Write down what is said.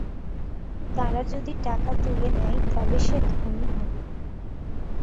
তারা যদি টাকা তুলে নেয় তবে সে ধনী হবে।